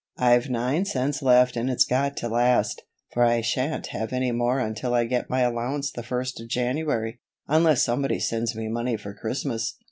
"I've nine cents left and it's got to last, for I shan't have any more until I get my allowance the first of January, unless somebody sends me money for Christmas."